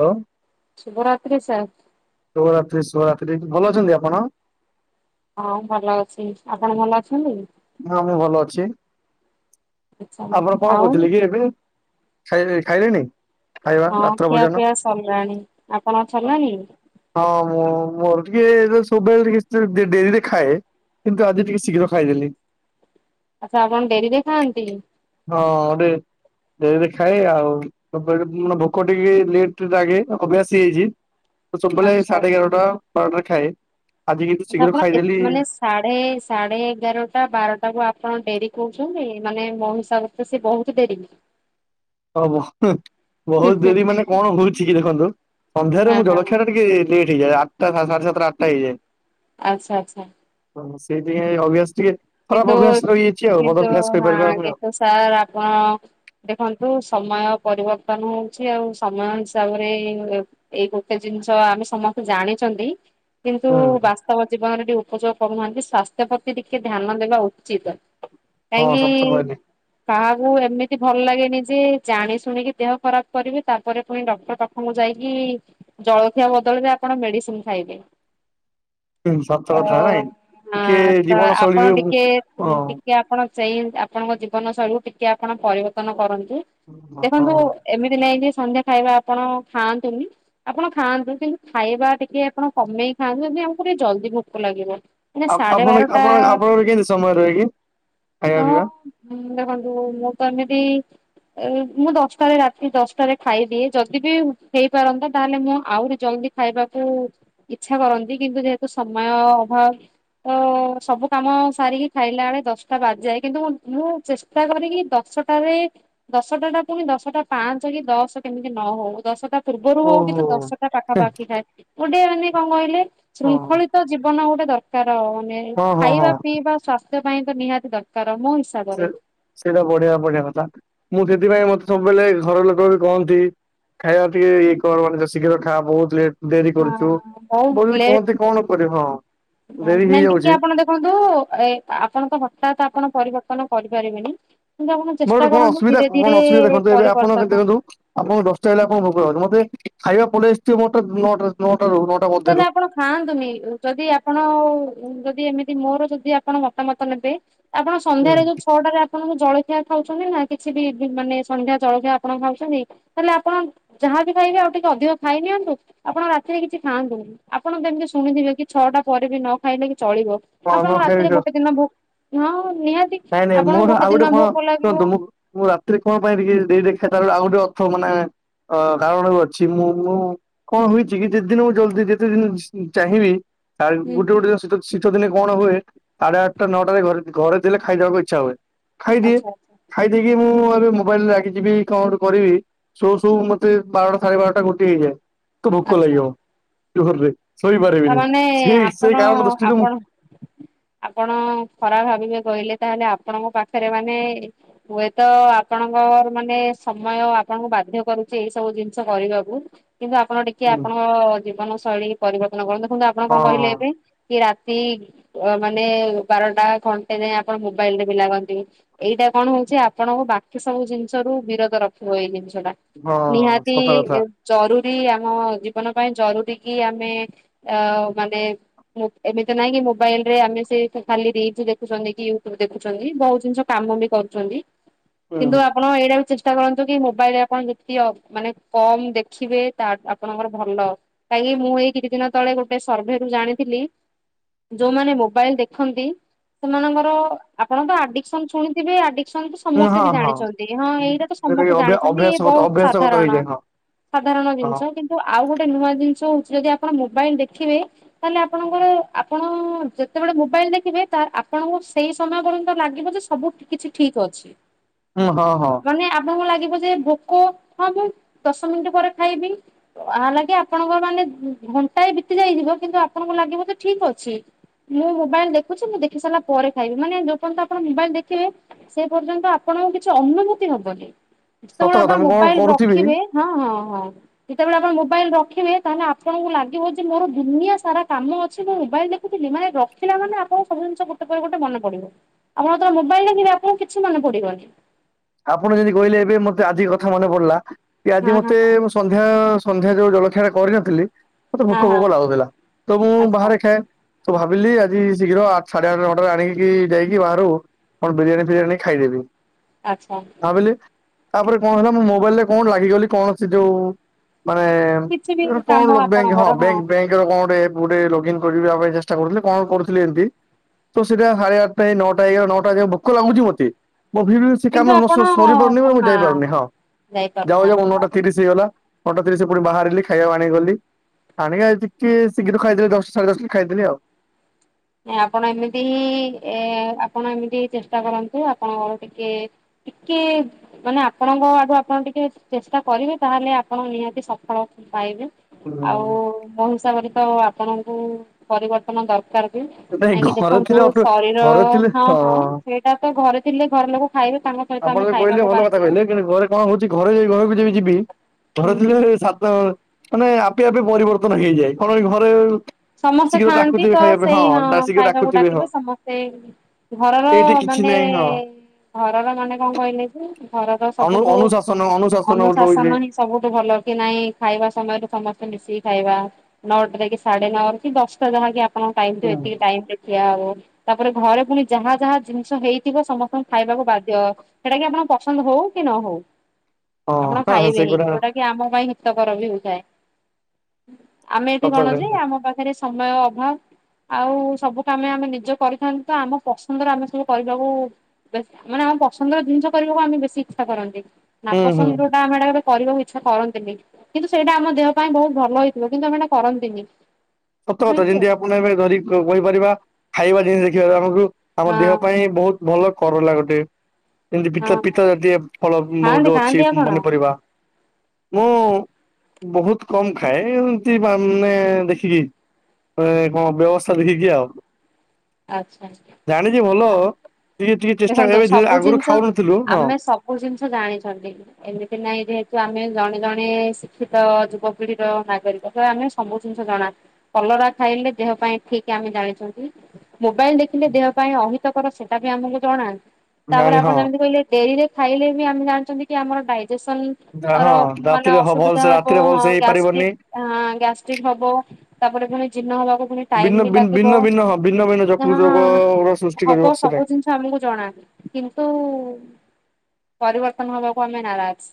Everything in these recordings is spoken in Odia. ହ। ଶୁଭରାତ୍ରି ସାର୍। ଶୁଭରାତ୍ରି, ଶୁଭରାତ୍ରି। ଭଲ ଅଛନ୍ତି ଆପଣ? ହଁ ଭଲ ଅଛି। ଆପଣ ଭଲ ଅଛନ୍ତି? ହଁ ମୁଁ ଭଲ ଅଛି। ଆଛା ଆପଣ କଣ ଆଉ କହୁଥିଲେ କି ଏବେ? ଖାଇ ଖାଇଲେଣି? ଖାଇବା ହଁ ରାତ୍ର ଖିଆ ଭୋଜନ? ପିଆ ସରିଲାଣି। ଆପଣଙ୍କ ସରିଲାଣି? ହଁ ମୁଁ ମୋର ଟିକେ ସବୁବେଳେ ଟିକେ ସେ ଡେରିରେ ଖାଏ। କିନ୍ତୁ ଆଜି ଟିକେ ଶୀଘ୍ର ଖାଇଦେଲି। ଆଚ୍ଛା ଆପଣ ଡେରିରେ ଖାଆନ୍ତି? ହଁ ଡେରି ଡେରିରେ ଖାଏ ଆଉ ମାନେ ଭୋକ ଟିକେ ଲେଟ୍ ରେ ଲାଗେ ଅଭ୍ୟାସ ହେଇଯାଇଛି। ତ ସବୁବେଳେ ଆଚ୍ଛା ସାଢେ ଆଚ୍ଛା। ଏଗାରଟା, ବାରଟାରେ ଖାଏ। ଆଜି କିନ୍ତୁ ଆଚ୍ଛା ଶୀଘ୍ର ଆପଣ ଏ ଖାଇଦେଲି। ମାନେ ସାଢେ ସାଢ଼େ ଏଗାରଟା, ବାରଟା କୁ ଆପଣ ଡେରି କଉ କହୁଛନ୍ତି ମାନେ ମୋ ହସାବରେ ତ ସେ ବହୁତ ଡେରି। ହଁ ମ ବହୁତ ଡେରି ମାନେ କଣ ହଉଛି କି ଦେଖନ୍ତୁ ସନ୍ଧ୍ୟାରେ ହଁ ମୁଁ ହଁ ଜଳଖିଆ ଟା ଟିକେ ଲେଟ ହେଇଯାଏ। ଆଠଟା ସା ସାଢେ ସାତଟା ଆଠଟା ହେଇଯାଏ। ଆଚ୍ଛା ଆଚ୍ଛା। ହଁ ସେଇଥିପାଈଁ ଅଭ୍ୟାସ ଟିକେ କିନ୍ତୁ ଖରାପ ଅଭ୍ୟାସ ରହିଯାଇଛି ଆଉ। କିନ୍ତୁ ବଦ ଅଭ୍ୟାସ ହଁ କହିପାରିବା ଆମେ ଆଉ। କିନ୍ତୁ ସାର୍ ଆପଣ ଦେଖନ୍ତୁ ସମୟ ପରିବର୍ତ୍ତନ ହଉଛି ଆଉ। ସମୟ ହିସାବରେ ଏଇ ଗୋଟେ ଜିନିଷ ଆମେ ସମସ୍ତେ ଜାଣିଛନ୍ତି। କିନ୍ତୁ ହୁଁ ବାସ୍ତବ ଜୀବନରେ ଟିକେ ଉପଯୋଗ କରୁନାହାନ୍ତି। ସ୍ୱାସ୍ଥ୍ୟ ପ୍ରତି ଟିକେ ଧ୍ୟାନ ଦେବା ଉଚିତ। ହଁ ସତ କହିଲେ କାହିଁକି? କାହାକୁ ଏମିତି ଭଲ ଲାଗେନି ଯେ, ଜାଣି ଶୁଣିକି ଦେହ ଖରାପ କରିବେ ତା ପରେ ପୁଣି ଡକ୍ଟର ପାଖକୁ ଯାଇକି ଜଳଖିଆ ବଦଳରେ ଆପଣ ମେଡିସିନ ଖାଇବେ। ହୁଁ ସତ କଥା ନାଇଁ। ଟିକେ [unintelligible] ତ ଜୀବନ ଆପଣ ଶୈଳୀରେ ମୁଁ ଟିକେ ହଁ ଟିକେ ଆପଣ ସେଇ ଆପଣଙ୍କ ଜୀବନ ଶୈଳୀକୁ ଟିକେ ଆପଣ ପରିବର୍ତ୍ତନ କରନ୍ତୁ। ହଁ ଦେଖନ୍ତୁ ହଁ। ଏମିତି ନାଇକି ସନ୍ଧ୍ୟା ଖାଇବା ଆପଣ ଖାଆନ୍ତୁନି, ଆପଣ ଖାଆନ୍ତୁ କିନ୍ତୁ ଖାଇବା ଟିକେ ଆପଣ କମେଇକି ଖାଆନ୍ତୁ ଯେମିତି ଆମକୁ ଟିକେ ଜଲଦି ଭୋକ ଲାଗିବ। ମାନେ ଆପ ସାଢେ ଆପଣ ବାରଟା ଆପଣ ଆପଣଙ୍କର କେମିତି ସମୟ ରହେକି ଖାଇବା ପିଇବା? ହୁଁ, ଦେଖନ୍ତୁ ମୁଁ ତ ଏମିତି ମୁଁ ଦଶଟାରେ ରାତି ଦଶଟାରେ ଖାଇଦିଏ। ଯଦି ବିି ହେଇପାରନ୍ତା ତାହେଲେ ମୁଁ ଆହୁରି ଜଲ୍ଦି ଖାଇବାକୁ ଇଛା କରନ୍ତି। କିନ୍ତୁ ଯେହେତୁ ସମୟ ଅଭାବ ତ ସବୁ କାମ ସାରିକି ଖାଇଲା ବେଳେ ଦଶଟା ବାଜିଯାଏ, କିନ୍ତୁ ମୁଁ ଚେଷ୍ଟା କରିକି ଦଶଟାରେ ଦଶଟା ଟା ପୁଣି ଦଶଟା ପାଞ୍ଚ କି ଦଶ କେମିତି ନ ହଉ ଦଶଟା ପୂର୍ବରୁ ହଉ କି ତ ଓହୋ ଦଶଟା ହେଁ ପାଖାପାଖି ଖାଏ। ମୁଁ ଗୋଟେ ମାନେ କଣ କହିଲେ ହଁ ଶୃଙ୍ଖଳିତ ତ ଜୀବନ ଗୋଟେ ଦରକାର। ମାନେ ହଁ ହଁ ଖାଇବା ହଁ ପିଇବା ସ୍ୱାସ୍ଥ୍ୟ ପାଇଁ ପାଇଁ ତ ନିହାତି ଦରକାର। ମୋ ହିସା ସେ ସେ ସେଇଟା ବଢିଆ ବଢିଆ କଥା ମୁଁ ସେଥିପାଇଁ ମତେ ସବୁବେଳେ ଘର ଲୋକ ବି କହନ୍ତି ଖାଇବା ଟିକେ ଇଏ କର ମାନେ ଶୀଘ୍ର ଖାଆ, ବହୁତ ଲେଟ୍ ଡେରି ହଁ କରୁଛୁ ବହୁତ ବୋଲି ଲେଟ କୁହନ୍ତି କଣ କରିବୁ? ହଁ, ଡେରି ନାଇଁ ଟିକେ ହେଇଯାଉଛି। ଆପଣ ଦେଖନ୍ତୁ, ଏ ଆପଣ ତ ହଠାତ୍ ଆପଣ ପରିବର୍ତ୍ତନ କରିପାରିବେନି, କିନ୍ତୁ ଆପଣ ଚେଷ୍ଟା ମୋର କଣ କରନ୍ତୁ ଅସବିଧା ଧୀରେ ଧୀରେ କଣ ଅସୁବିଧା ଦେଖନ୍ତୁ, ଏବେ ଆପଣ ପରିବର୍ତ୍ତନ ଦେଖନ୍ତୁ ଆପଣଙ୍କୁ ଦଶଟା ହେଲେ ଆପଣ ଭୋକ ଲାଗୁଛି। ମତେ ଖାଇବା ପରେ ମୋତେ ନଅଟା -ନଅଟା- ନଅ ତାହେଲେ ଆପଣ ଖାଆନ୍ତୁନି, ଯଦି ଆପଣ ଯଦି ଏମିତି ମୋର ଯଦି ଆପଣ ମତାମତ ନେବେ ଆପଣ ସନ୍ଧ୍ୟାରେ ଯୋଉ ଛଅଟାରେ ଆପଣ ଜଳଖିଆ ଖାଉଛନ୍ତି ନା କିଛି ବି ମାନେ ସନ୍ଧ୍ୟା ଜଳଖିଆ ଆପଣ ଖାଉଛନ୍ତି। ତାହେଲେ ଆପଣ ଯାହା ବିି ଖାଇବେ ଆଉ ଟିକେ ଅଧିକ ଖାଇ ନିଅନ୍ତୁ। ଆପଣ ରାତିରେ କିଛି ଖାଆନ୍ତୁନି। ଆପଣ ଯେମିତି ଶୁଣିଥିବେ କି ଛଅଟା ପରେ ବି ନ ଖାଇଲେ କି ଚଳିବ। ହଁ ନ ଆପଣଙ୍କ ରାତିରେ ଖାଇ ଗୋଟେ ଦିନ ଭୋକ ହଁ ନିହାତି ନାଇଁ, ନାଇଁ ଆପଣଙ୍କୁ ମୋର ଆଉ ଗୋଟେ ଦିନ କଣ ଭୋକ ଲାଗିବ ଶୁଣନ୍ତୁ ମୁଁ ମୁଁ ରାତିରେ କଣ ପାଇଁ ଟିକେ ଦେଇ ଦେଖ ତା ଆଉ ଗୋଟେ ଅର୍ଥ ମାନେ କାରଣ ବି ଅଛି ମୁଁ, ମୁଁ କଣ ହେଇଛି କି ଯେତେ ଦିନ ମୁ ଜଲଦି ଯେତେ ଦିନ ଚାହିଁବି ହୁଁ ଗୋଟେ ଗୋଟେ ଦିନେ ଶୀତ ଦିନେ କଣ ହୁଏ ସାଢେ ଆଠଟା ନଅଟାରେ ଘରେ ଘରେ ଥିଲେ ଖାଇଦବାକୁ ଇଚ୍ଛା ହୁଏ, ଖାଇଦିଏ, ଆଚ୍ଛା ଆଚ୍ଛା ଖାଇଦେଇକି ମୁଁ ଏବେ ମୋବାଇଲ ରେ ଲାଗି ଯିବି କଣ ଗୋଟେ କରିବି ସୋଉ ସୋଉ ମତେ ବାରଟା ସାଢେ ବାରଟା ଗୋଟେ ହେଇଯାଏ। ତ ଭୋକ ଆଚ୍ଛା ଲାଗିଯିବ ଜୋରରେ, ତା ଶୋଇପାରିବିନି। ମାନେ ସେଇ ସେଇ ଆପଣ କାରଣ ଦୃଷ୍ଟିରୁ ମୁଁ, ଆପଣ ଆପଣ ଖରାପ ଭାବିବେ କହିଲେ ତାହେଲେ ଆପଣଙ୍କ ପାଖରେ ମାନେ ହୁଏତ ଆପଣଙ୍କର ମାନେ ସମୟ ଆପଣଙ୍କୁ ବାଧ୍ୟ କରୁଛି ଏଇ ସବୁ ଜିନିଷ କରିବାକୁ, କିନ୍ତୁ ଆପଣ ଟିକେ ଆପଣଙ୍କ ଜୀବନ ଶୈଳୀ ପରିବର୍ତ୍ତନ କରନ୍ତୁ, ଦେଖନ୍ତୁ ଆପଣ କଣ କହିଲେ ହଁ ଏବେ କି ରାତି ମାନେ ବାରଟା ଘଣ୍ଟେ ଯାଏଁ ଆପଣ ମୋବାଇଲରେ ଦେଖି ଲାଗନ୍ତି। ଏଇଟା କଣ ହଉଛି ଆପଣଙ୍କ ବାକି ସବୁ ଜିନିଷ ରୁ ବିରଧ ରଖିବ ଏଇ ଜିନିଷ ଟା, ହଁ ନିହାତି ସତ କଥା ଜରୁରୀ ଆମ ଜୀବନ ପାଇଁ ଜରୁରୀ କି ଆମେ, ଆ ମାନେ ଏମିତି ନାଇଁ କି ମୋବାଇଲ ରେ ଆମେ ସେ ଖାଲି ରିଲି ଦେଖୁଛନ୍ତି କି ୟୁଟ୍ୟୁବ ଦେଖୁଛନ୍ତି ବହୁ ଜିନିଷ କାମ ବି କରୁଛନ୍ତି କିନ୍ତୁ ହୁଁ। ଆ ଆପଣ ଏଇଟା ବି ଚେଷ୍ଟା କରନ୍ତୁ କି ମୋବାଇଲରେ ଆପଣ ଯେତିକ ମାନେ କମ ଦେଖିବେ ତା ଆପଣଙ୍କର ଭଲ। କାହିଁକି ମୁଁ ଏଇ କିଛି ଦିନ ତଳେ ଗୋଟେ ସର୍ଭେରୁୁ ଜାଣିଥିଲି। ଯୋଉମାନେ ମୋବାଇଲ ଦେଖନ୍ତି। ସେମାନଙ୍କର ଆପଣ ତ ଆଡିକସନ ଶୁଣିଥିବେ ଆଡିକସନ ହୁଁ ସମସ୍ତେ ହଁ ବି ହଁ ଜାଣିଛନ୍ତି ହଁ ଏଇଟା ତ ଯୋଉଟାକି ସମସ୍ତେ ଅଭ୍ୟା ଜାଣିଛନ୍ତି ଏଇ ଅଭ୍ୟାସଗତ ବହୁତ ଅଭ୍ୟାସଗତ ସାଧାରଣ। ହେଇଯାଏ ହଁ ସାଧାରଣ ହଁ। ଜିନିଷ କିନ୍ତୁ ଆଉ ଗୋଟେ ନୂଆ ଜିନିଷ ହଉଛି ଯଦି ଆପଣ ମୋବାଇଲ ଦେଖିବେ। ତାହେଲେ ଆପଣଙ୍କର ଆପଣ ଯେତେବେଳେ ମୋବାଇଲ ଦେଖିବେ ଆପଣଙ୍କୁ ସେଇ ସମୟ ପର୍ଯ୍ୟନ୍ତ ଲାଗିବ ଯେ ସବୁ କିଛି ଠିକ ଅଛି। ହୁଁ ହଁ ହଁ। ମାନେ ଆପଣଙ୍କୁ ଲାଗିବ ଯେ ଭୋକ ହଁ ଦଶ ମିନିଟ ପରେ ଖାଇବି। ଆ ଲାଗି ଆପଣଙ୍କ ମାନେ ଘଣ୍ଟାଏ ବିତି ଯାଇଥିବ କିନ୍ତୁ ଆପଣଙ୍କୁ ଲାଗିବଜେ ଠିକ ଅଛି। ମୁଁ ମୋବାଇଲ ଦେଖୁଛି ମୁଁ ଦେଖି ସାରିଲା ପରେ ଖାଇବି ମାନେ ଯୋ ପର୍ଯ୍ୟନ୍ତ ଆପଣ ମୋବାଇଲ ଦେଖିବେ। ସେ ପର୍ଯ୍ୟନ୍ତ ଆପଣଙ୍କୁ କିଛି ଅନୁଭୂତି ହବନି ସତ ଯେତେବେଳେ କଥା ଆପଣ ମୁଁ କଣ ମୋବାଇଲ କରୁଥିବି ରଖିବେ। ହଁ ହଁ ହଁ ଯେତେବେଳେ ଆପଣ ମୋବାଇଲ ରଖିବେ ତାହେଲେ ଆପଣଙ୍କୁ ଲାଗ ଉ ମୋର ଦୁନିଆ ସାରା କାମ ଅଛିଁ ମୋବାଇଲ ଦେଖୁଥିଲି ମାନେ ରଖିଲ ମାନେ ଆପଣ ସବୁ ଜିନିଷ ଗୋଟେ ମନ ପଡିବ ଆପଣର ମୋବାଇଲ ରେ ଆପଣ କିଛି ମନ ପଡିବନି। ଆପଣ ଯେମିତି କହିଲେ ଏବେ ମତେ ଆଜି କଥା ମନେ ପଡିଲା କି ଆଜି ହଁ ହଁ ମତେ ସନ୍ଧ୍ୟା ସନ୍ଧ୍ୟା ଯୋଉ ଜଳଖିଆ କରିନଥିଲି। ମତେ ହଁ ଭୋକ ହଁ ହଁ ଭୋକ ଲାଗୁଥିଲା ତ ମୁଁ ଆଚ୍ଛା ବାହାରେ ଖାଏ। ତ ଭାବିଲି ଆଜି ଶୀଘ୍ର ଆଠ ସାଢେ ଆଠ ନଅଟାରେ ଆଣିକି ଯାଇକି ବାହାରୁ କଣ ବିରିୟାନୀ ଫିରିୟାନୀ ଖାଇଦେବି। ଆଚ୍ଛା। ଭାବିଲି ତାପରେ କଣ ହେଲା ମୁଁ ମୋବାଇଲରେ କଣ ଲାଗିଗଲି କୌଣସି ଯୋଉ ମାନେ କିଛି ବି କଣ କାମ ଲୋକ ବ୍ୟାଙ୍କ ହଁ ଆପଣଙ୍କର ବ୍ୟାଙ୍କ ବ୍ୟାଙ୍କ କଣୋଟେ ଲଗ ଇନ କରିବା ପାଇଁ ଚେଷ୍ଟା କରୁଥିଲେ କଣ କରୁଥିଲେ ଏମିତି। ତ ସେଇଟା ସାଢେ ଆଠଟା ନଅଟା ଏଗାର ନଅଟା ଭୋକ ଲାଗୁଛି ମତେ [unintelligible] ସେ କିନ୍ତୁ କାମ ଆପଣ [unintelligible] ସରିପାରୁନି ହଁ ମୁଁ ଯାଇପାରୁନି ହଁ ଯାଉ ଯାଇପାରୁନାହାନ୍ତି ଯାଉ ନଟା ଆଉ। ତିରିଶ ହେଇଗଲା ନଟା ତିରିଶ ପୁଣି ବାହାରିଲି ଖାଇବା ଆଣେଇଗଲି। ଆଣିକ ଆ ଟିକେ ଶୀଘ ଖାଇଦଲେ ଦଶଟା ସାଢେ ଦଶଟା ଖାଇଦେଲି ଆଉ। ନ ଆପଣ ଏମିତି ହିଁ ଏ ଆପଣ ଏମିତି ଚେଷ୍ଟା କରନ୍ତୁ ଆପଣ ଘର ଟିକେ ଟିକେ ମାନେ ଆପଣଙ୍କ ଆଡୁ ଆପଣ ଟିକେ ଚେଷ୍ଟା କରିବେ ତାହେଲେ ଆପଣ ନିହାତି ସଫଳ ପାଇବେ। ଆଉ ମହିସାବରେ ତ ଆପଣଙ୍କୁ ପରିବର୍ତ୍ତନ ଦରକାର ନାଇଁ ଆଜଞ ଘରେ ଦେଖନ୍ତୁ ଥିଲେ ଶରୀର ଘରେ ଥିଲେ ହଁ ହଁ ସେଇଟା ତ ଘରେ ଥିଲେ ଘରେ ଲୋକ ଖାଇବେ ତାଙ୍କ ସହିତ ଆପଣ ଆମେ ବି କହିଲେ ଖାଇବାକୁ ଭଲ କଥା ବାଧ୍ୟ। କହିଲେ କିନ୍ତୁ ଘରେ କଣ ହଉଛି ଘରେ ଯ ଘରକୁ ଯି ଯିବି ହୁଁ ଘରେ ହୁଁ ଥିଲେ ସାତ ମାନେ ଆପେ ଆପେ ପରିବର୍ତ୍ତନ ହେଇଯାଏ କଣ ଘରେ ସମସ୍ତେ ଶୀଘ୍ର ଖାଆନ୍ତି ଡାକୁଥିବେ ତ ଖାଇବା ପାଇଁ ସେଇ ହଁ ଶୀଘ୍ର ଖାଇବାକୁ ଡାକୁଥିବେ ହଁ ଡାକିଲେ ସମସ୍ତେ ଘରର ଏଇଠି କିଛି ମାନେ ନାହିଁ ହଁ ଘରର ମାନେ କଣ କହିଲେ? ଘରର ଅଣୁ ସବୁଠୁ ଅନୁଶାସନ ଗୋଟେ ଅନୁଶାସନ ରହୁଛି ହିଁ ସବୁଠୁ ଭଲ କି ନାଇଁ ଖାଇବା ସମୟରେ ସମସ୍ତେ ମିଶିକି ଖାଇବା ନଅଟା ଯାକି ନ ଦଶଟା ଯାହାକ ଆଣଙ୍କ ଟ ହୁଁ ଏତିକି ଟାଇ ଠିଆ ହବ। ତାପରେ ଘରେ ପୁଣି ଯାହା ଯାହା ଜିନିଷ ହେଇଥିବ ସମସ୍ତଙ୍କୁ ଖାଇବାକୁ ବାଧ୍ୟ। ସେଟା କି ଆପଣ ପସନ୍ଦ ହଉ କି ନ ହଉ ଆପଣ ହଁ ହଁ ଖାଇବେ ହିଁ ସେଗୁଡା ଯୋଉଟା କି ଆମ ପାଇଁ ହିତକର ବି ହଉଥାଏ ଆମେ ଏଠି ସତ କଣ କହିଲେ ଯେ ଆମ ଆମ ପାଖରେ ସମୟ ଅଭାବ୍। ଆଉ ସବୁ କାମେ ଆମେ ନିଜେ କରିଥାନ୍ତେ, ତ ଆମ ପସନ୍ଦରେ ଆମେ ସବୁ କରିଦବୁ ବେଶ୍। ମାନେ ଆମ ପସନ୍ଦର ଜିନିଷ କରିବାକୁ, ଆମେ ବେଶୀ ଇଚ୍ଛା କରନ୍ତି। ହୁଁ ହୁଁ ନାପସନ୍ଦ୍ ଯୋଉଟା ଆମେ ହେଟା କେବେ କରିବାକୁ ଇଚ୍ଛା କରନ୍ତିନି। କିନ୍ତୁ, ସେଇଟା ଆମ ଦେହ ପାଇଁ ବୋହୁତ୍ ଭଲ ହେଇଥିବ। କିନ୍ତୁ, ଆମେ କରନ୍ତିନି। ସତ କଥା। ଏମିତି ଯେମିତି ଆଉ। ଆପଣ ଏବେ ଧରିକି କହ କହିପାରିବା। ଖାଇବା ଜିନିଷ ଦେଖିବାରେ, ଆମକୁ ଆମ ଦେହ ହଁ ପାଇଁ ବୋହୁତ୍ ଭଲ କରଲା ଗୋଟେ। ଏମତି ପିତା ହଁ ଫିତା ହଁ ଯଦି ଏ ଫଳ ମ୍ ଖାଆନ୍ତି ଯୋଉ ଅଛି। ଖାଆନ୍ତି ହୁଁ ଆପଣ ପନିପରିବା। ମୁଁ ବୋହୁତ୍ କମ୍ ଖାଏ। ଏମିତି ମାନେ ଦେଖିକି। ମାନେ କଣ? ବ୍ୟବସ୍ଥା ଦେଖିକି ଆଉ। ଆଚ୍ଛା, ଆଛା। ଜାଣିଛି ଭଲ ହବ, ଟିକେ ଟିକେ ଚେଷ୍ଟା କରିବା, ଏବେ ଯୋଉ ଆଗୁରୁ ଖାଉ ନଥିଲୁ, ହଁ। କୋଉ ଜିନିଷ ଜାଣିଛନ୍ତି? ଏମିତି ନାଇଁ ଯେହେତୁ, ଆମେ ଜଣେ ଜଣେ ଶିକ୍ଷିତ, ଯୁବ ପିଢ଼ିର ନାଗରିକ। ତ ଆମେ ସବୁ ଜିନିଷ ଜଣା। କଲରା ଖାଇଲେ ଦେହ ପାଇଁ ଠିକ୍ ଆମେ ଜାଣିଛନ୍ତି। ମୋବାଇଲ୍ ଦେଖିଲେ ଦେହ ପାଇଁ ଅହିତକର। ସେଟା ବି ଆମକୁ ଜଣା। ତାପରେ ଜାଣି ଆପଣ ହଁ ଯେମିତି କହିଲେ ଡେରିରେ ଖାଇଲେ ବି ଆମେ ଜାଣିଛନ୍ତି କି, ଆମର ଡାଇଜେସନ୍ ର ହଁ ମାନେ ରାତିରେ ହଁ ଅସୁବିଧା ଭଲସେ ହେବ। ରାତିରେ ହଁ ଭଲସେ ହେଇପାରିବନି ଗ୍ୟାଷ୍ଟ୍ରିକ୍, ହଁ ଗ୍ୟାଷ୍ଟ୍ରିକ୍ ହବ। ତାପରେ ଫୁଣି ଜିହ୍ନ ହେବାକୁ ଫୁଣି ଭିନ୍ନ ଟାଇମ୍ ବି ଲାଗିବ। ଭିନ୍ନ ଭିନ୍ନ ହଁ ଭିନ୍ନ ଭିନ୍ନ ନା ଯକୃତ ରୋଗର ସୃଷ୍ଟି କରିବ ହବ ସେଟା ସବୁ ଜିନିଷ ଆମୁକୁ ଜଣା। କିନ୍ତୁ, ପରିବର୍ତ୍ତନ ହବାକୁ ଆମେ ନାରାଜ୍।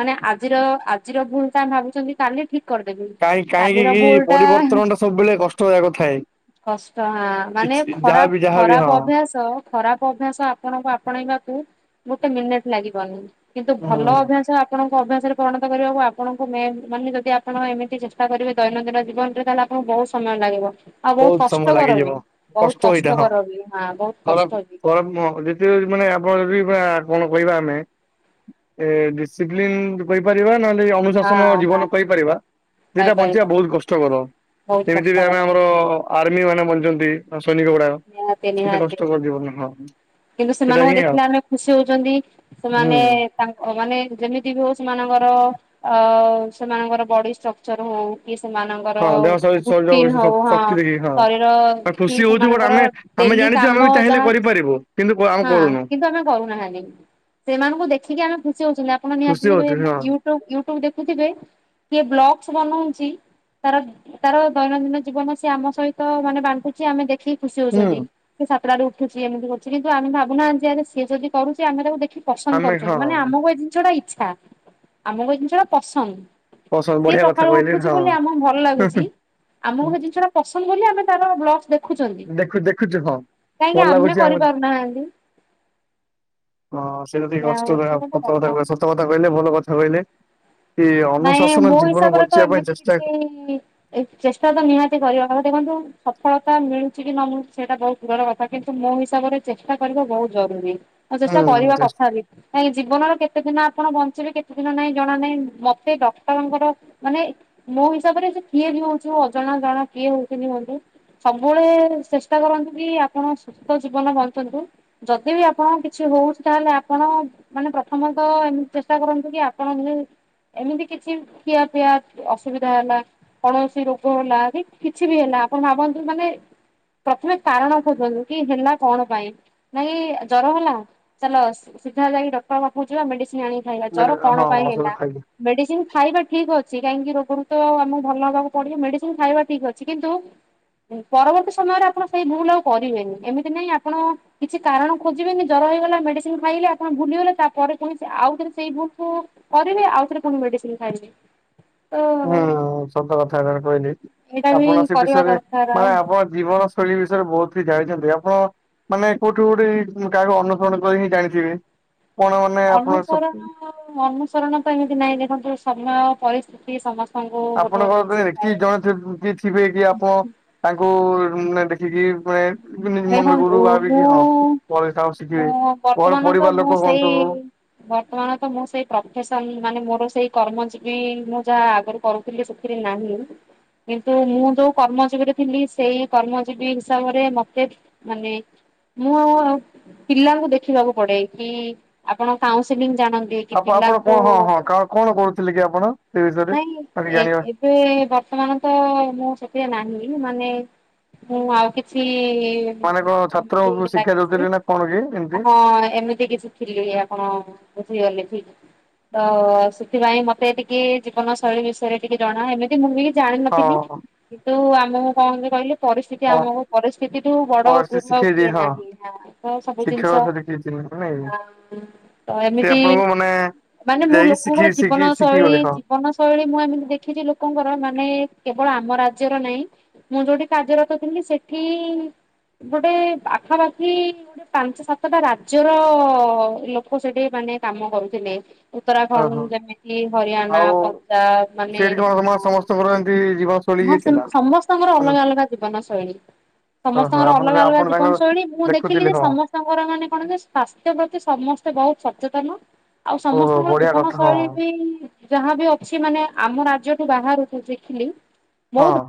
ମାନେ ଆଜିର ଆଜିର ଭୁଲ୍ ଟା ଆମେ ଭାବୁଛନ୍ତି, କାଲି ଠିକ୍ କରି ଦେବି। କାହିଁକି କାହିଁକି କି, ପରିବର୍ତ୍ତନ ଟା ସବୁବେଳେ କଷ୍ଟ କରିବା କଥା ହେଇଥାଏ? କଷ୍ଟ ହଁ। ମାନେ ଖରାପ୍ ଯାହାବି ଖରାପ୍ ହଁ ଅଭ୍ୟାସ ଖରାପ୍ ଅଭ୍ୟାସ। ଆପଣଙ୍କୁ ଆପଣେଇବାକୁ ଗୋଟେ ମିନିଟ୍ ଲାଗିବନି। କିନ୍ତୁ, ହୁଁ ଭଲ ଅଭ୍ୟାସ ଆ ପଣଙ୍କ ଅଭ୍ୟାସରେ ପରିଣତ କରିବାକୁ, ଆପଣଙ୍କୁ ମେମ୍ ଭି ମାନେ ଯଦି ଆପଣ ଏମିତି ଚେଷ୍ଟା କରିବେ, ଦୈନନ୍ଦିନ ଜୀବନରେ ତାହେଲେ ଆପଣ ଙ୍କୁ ବୋହତ୍ ସମୟ ଲାଗିବ। ଆଉ ବୋହୁତ୍ ବହୁତ ସମୟ କଷ୍ଟକର ଲାଗିଯିବ ବି। ବୋହୁତ୍ କଷ୍ଟ ଏଇଟା ହଁ କଷ୍ଟକର ବି। ହଁ। ବୋହୁତ କଷ୍ଟ। ବି। [unintelligible] ଏ ଡିସିପ୍ଲିନ୍ କହି ପାରିବା। ନହେଲେ ଅନୁଶାସନ ହଁ ହଁ ଜୀବନ କହି ପାରିବା। ଦିଟା ବଞ୍ଚିବା ପାଇପାରିବା ବୋହୁତ୍ କଷ୍ଟକର। ବହୁତ ଯେମିତି କଷ୍ଟ ବି ଆମେ କଥା ଆମର ଆର୍ମି ମାନେ ବଚନ୍ତି। ସୈନିକ ଗୁଡ଼ାକ, ନିହାତି କେତେ ନିହାତି କଷ୍ଟକିବନ। ହଁ। କିନ୍ତୁ, ସେଇଟା ସେମାନଙ୍କୁ ହିଁ ଆଉ ଦେଖିଲେ ଆମେ ଖୁସି ହୋଉଛନ୍ତି। ହୁଁ ସେମାନେ ତାଙ୍କ ମାନେ ଯେମିତି ବି ହୋଉ ସେମାନଙ୍କର ଅ ସେମାନଙ୍କର ବଡି ଷ୍ଟ୍ରକ୍ଚର୍ ହୋଉ, କି ସେମାନ ଙ୍କର ହଁ ଦେହ ସହି ଙ୍କର ସହିଯାଉ ପିନ୍ ହୋଉ। ଶକ୍ତି ହଁ। ଦେଖି ଶରୀର ହିଁ ଖୁସି ହଉଛୁ ବଟ ସେମାନଙ୍କର ଆମେ ଆମେ ଡେଲି ଜାଣିଛୁ ଆମେ କାମ ବି ଚାହିଁଲେ ଯାହା କରିପାରିବୁ କିନ୍ତୁ ଆମେ ହଁ। କରୁନୁ କିନ୍ତୁ, ଆମେ କରୁ ନାହାନ୍ତି। ସେମାନଙ୍କୁ ଦେଖିକି ଆମେ ଖୁସି ହୋଉଛନ୍ତି। ଆପଣ ଖୁସି ନିହାତି କେବେ ହଉଛୁ ହଁ। ୟୁଟ୍ୟୁବ୍ ଦେଖୁଥିବେ? କିଏ ବ୍ଲଗସ୍ ବନୋଉଛି ତାର ତାର ଦୈନନ୍ଦିନ ଜୀବନ ସେ ଆମ ସହିତ ମାନେ ବାଣ୍ଟୁଛି। ଆମେ ଦେଖିକି ଖୁସି ହୁଁ ହୋଉଛନ୍ତି। ସେ ସାତ ଟାରୁ ଉଠୁଛି, ଏମିତି କରୁଛି, କିନ୍ତୁ ଆମେ ଭାବୁ ନାହାନ୍ତି ଯେ, ସିଏ ଯଦି କରୁଛି। ଆମେ ତାକୁ ଦେଖିକି ପସନ୍ଦ୍ ଆମେ ହଁ କରୁଛନ୍ତି। ମାନେ ଆମକୁ ଏ ଜିନିଷ ଟା ଇଚ୍ଛା। ଆମକୁ ଏ ଜିନିଷ ଟା ପସନ୍ଦ୍। ପସନ୍ଦ ସିଏ ବଢିଆ କଥା ସକାଳୁ କହିଲେ ଉଠୁଛି ହଁ। ବୋଲି ଆମକୁ ଭଲ ଲାଗୁଛି। ଆମକୁ ସେ ଜିନିଷ ଟା ପସନ୍ଦ୍ ବୋଲି ଆମେ ତାର ଭ୍ଲଗ୍‌ସ୍‌ ଦେ ଦେଖୁ ଦେଖୁଛୁ ହଁ, ଭଲ ଆମେ ଲାଗୁଛି। [unintelligible] ହଁ, କରିପାରୁନାହାନ୍ତି ସେଇଟା ଟିକେ ଯାହା କଷ୍ଟ ହଉଛି ଗୋଟେ କଥା। [unintelligible] ସତ କଥା କହିଲେ, ଭଲ କଥା କହିଲେ। କି ନାଇଁ ଅନୁଶାସନ ମୋ ଜୀବନ ହିସାବରେ ତ ବଞ୍ଚିବା ପାଇଁ ଏମିତି ଚେଷ୍ଟା କିଛି ଏଇ ଚେଷ୍ଟା ତ ନିହାତି କରିବା, ଦେଖନ୍ତୁ ସଫଳତା ମିଳୁଛି କି ନ ମିଳୁଛି ସେଇଟା ବୋହୁତ୍ ଗ୍ଯର କଥା କିନ୍ତୁ, ମୋ ହିସାବରେ ଚେଷ୍ଟା କରିବା ବହୁତ୍ ଜରୁରୀ। ଆଉ ଚେଷ୍ଟା ହୁଁ କରିବା କଥା ବି। କହିଁକି ଜୀବନର କେତେ ଦିନ ଆପଣ ବଞ୍ଚିବେ କେତେ ଦିନ ନାଇଁ ଜଣା ନାହିଁ। ମ ସେ ଡକ୍ଟରଙ୍କର ମାନେ ମୋ ହିସାବରେ ସେ କିଏ ବି ହଉଛି ହଉ ଅଜଣା ଜଣା କିଏ ହଉଛନ୍ତି ହୁଅନ୍ତୁ ସବୁବେଳେ ଚେଷ୍ଟା କରନ୍ତୁ କି ଆପଣ ସୁସ୍ଥ ଜୀବନ ବଞ୍ଚନ୍ତୁ ଯଦି ବି ଆପଣଙ୍କର କିଛି ହଉଛି ତାହେଲେ ଆପଣ ମାନେ ପ୍ରଥମତଃ ଏମିତି ଚେଷ୍ଟା କରନ୍ତୁ କି ଆପଣ ଯେ ଏମିତି କିଛି ଖିଆ ପିଆ ଅସୁବିଧା ହେଲା କୌଣସି ରୋଗ ହେଲା କି କିଛି ବି ହେଲା ଆପଣ ଭାବନ୍ତୁ ମାନେ ପ୍ରଥମେ କାରଣ ଖୋଜନ୍ତୁ କି ହେଲା କଣ ପାଇଁ ନାଇଁ ଜ୍ୱର ହେଲା, ଚାଲ ସିଧା ଯାଇକି ଡକ୍ଟର ପାଖକୁ ଯିବା ମେଡିସିନ ଆଣି ଆଜ୍ଞା ଜ୍ୱର କଣ ହଁ ପାଇଁ ଔଷଧ ହେଲା? ଖାଇକି ମେଡିସିନ ଖାଇବା ଠିକ ଅଛି। କାହିଁକି ରୋଗରୁ ତ ଆମକୁ ଭଲ ହବାକୁ ପଡିବ! ମେଡିସିନ ଖାଇବା ଠିକ ଅଛି, କିନ୍ତୁ ପରବର୍ତ୍ତୀ ସମୟରେ ଆପଣ ସେଇ ଭୁଲ ଆଉ କରିବେନି। ଏମିତି ନାହିଁ ଆପଣ କିଛି କାରଣ ଖୋଜିବେନି। ଜର ହେଇଗଲା ମେଡିସିନ ଖାଇଲେ ଆପଣ ଭୁଲିଗଲେ। ତାପରେ ପୁଣି ସେ ଆଉଥରେ ସେଇ ଭୁୁଲକୁ, କରିବେ ଆଉଥରେ ପୁଣି ମେଡିସିନ ଖାଇବେ। ତ ହଁ ସତ କଥା ଏଟା କହିଲେ। ଏଇଟା ବି ଆପଣ ସେ କରିବା ବିଷୟରେ ଦରକାର ମାନେ ଆପଣ ଜୀବନଶୈଳୀ ବିଷୟରେ ବହୁତ କିଛି ଜାଣିଛନ୍ତି ଆପଣ। ମାନେ କୋଉଠି ଗୋଟେ ଏଇ କାହାକୁ ଅନୁସରଣ କରି ହିଁ ଜାଣିଥିବେ କଣ! ମାନେ ଆପଣ ସ ଅନୁସରଣ- ଅନୁସରଣ ପାଇଁ ଏମିତି ନାହିଁ। ଦେଖନ୍ତୁ, ସମୟ ପରିସ୍ଥିତି ସମସ୍ତ ଆପଣଙ୍କର ତ ଏକ୍ସି [unintelligible] ଯିଏ ଥିବେ କି, ଆପଣ ତାଙ୍କୁ ନ ଦେଖିକି [unintelligible] ଯେମିତି ମନରେ ଗୁରୁ ଦେଖନ୍ତୁ ମୁଁ ଭାବିିକି ହଁ, ପଡିଶା ଠୁ ଶିଖିବେ। ମୁଁ ମୋର ବର୍ତ୍ତମାନ ତ ପରିବାର ମୁଁ ଲୋକ ସେଇ ହୁଅନ୍ତୁ ବର୍ତ୍ତମାନ ତ ମୁଁ ସେଇ ପ୍ରଫେସନ, ମାନେ ମୋର ସେଇ କର୍ମଜୀବି, ମୁଁ ଯାହା ଆଗରୁ କରୁ ଥିଲି ସେଥିରେ ନାହିଁ। କିନ୍ତୁ ମୁଁ ଯୋଉ କର୍ମଜୀବୀରେ ଥିଲି, ସେଇ କର୍ମଜୀବୀ ହିସାବରେ ମତେ [unintelligible] ମାନେ ମୁଁ ଆଉ ପିଲାଙ୍କୁ ଦେଖିବାକୁ ପଡେ କି, ଆପଣ କାଉଁସିଲିଂ ଜାଣନ୍ତି କି ଆପଣ ଆଉ କଣ -କଣ, ହଁ ପିଲାଙ୍କୁ -ହଁ କ କଣ କରୁଥିଲେ କି ଆପଣ? ସେ ବିଷୟରେ ଆଜି ଜାଣିବା। ସେ ବର୍ତ୍ତମାନ ତ ମୁଁ ସେଥିରେ ନାହିଁ! ମାନେ ମୁଁ ଆଉ କିଛି ମାନେ କଣ ଛାତ୍ରଙ୍କୁ ଶିକ୍ଷା [unintelligible] ଦଉଥିଲେ ନା କଣ କି ଏମିତି ହଁ ଏମିତି କିଛି ଥିଲି ଆପଣ ବୁଝିଗଲେ ଠିକ! ତ ସେଥିପାଇଁ ମତେ ଟିକେ ଜୀବନଶୈଳୀ ବିଷୟରେ ଟିକେ ଜଣା। ଏମିତି ମୁଁ ବି ଜାଣିନଥିଲି, ହଁ କିନ୍ତୁ ଆମକୁ କଣ କହନ୍ତି କହିଲେ ପରିସ୍ଥିତି ହଁ ଆମକୁ, ପରିସ୍ଥିତି ଠୁ ବଡ ଭଲସେ ଗୁରୁ ଆଉ ଶିଖେଇ ଦେଇ କିଏ ହଁ ନାହିଁ। ହଁ ତ ସବୁ ଶିକ୍ଷକ ଜିନିଷ ସହିତ କିଛି ନାଇଁ ତ ସେ ଏମିତି ଆପଣଙ୍କୁ ମାନେ ମାନେ ମୁଁ ଯାଇକି ଶିଖି ଲୋକଙ୍କର ଜୀବନ ଶିଖି ଶିଖି ଶୈଳୀ ଗଲେ ହଁ ଜୀବନଶୈଳୀ ମୁଁ ଏମିତି ଦେଖିଛି ଲୋକଙ୍କର, ମାନେ କେବଳ ଆମ ରାଜ୍ୟର ନାହିଁ ମୁଁ ଯୋଉଠି କାର୍ଯ୍ୟରତ ଥିଲି ସେଠି ଗୋଟେ ପାଖାପାଖି ପାଞ୍ଚ ସାତଟା ରାଜ୍ୟର ଲୋକ ସେଠି ମାନେ କାମ କରୁଥିଲେ। ହଁ ଉତ୍ତରାଖଣ୍ଡ ହଁ ଯେମିତି ହରିୟାଣା ପଞ୍ଜାବ ମାନେ ହଁ ତମର ଏମିତି ଯିବା ସ ହଁ ସେମିତି ସମସ୍ତଙ୍କର ଅଲଗା ଅଲଗା ଜୀବନଶୈଳୀ। ଓହୋ ସମସ୍ତଙ୍କର ଆପଣ ଅଲଗା ଅଲଗା ଆପଣ ତାଙ୍କର ଜୀବନଶୈଳୀ ମୁଁ ଦେଖିଲି ଦେଖୁଥିଲି ଯେ ହଁ ସମସ୍ତ ତାଙ୍କର ମାନେ କଣ ଯେ ସ୍ୱାସ୍ଥ୍ୟ ପ୍ରତି ସମସ୍ତେ ବହୁତ ସଚେତନ ଆଉ ଓହୋ ସମସ୍ତଙ୍କର ବଢିଆ ଜୀବନ କଥା ହଁ ଶୈଳୀ ବି ଯାହାବି ଅଛି ମାନେ ଆମ ରାଜ୍ୟଠୁ ବାହାରୁ କୁ ଦେଖିଲି ହଁ। ବହୁତ